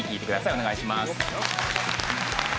お願いします。